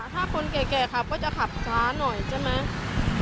ถ้าคนแก่ขับก็จะขับช้าหน่อยใช่ไหม